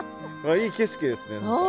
いい景色ですね。